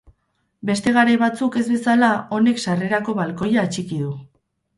Beste garai batzuk ez bezala honek sarrerako balkoia atxiki du.